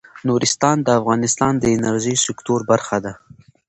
نورستان د افغانستان د انرژۍ سکتور برخه ده.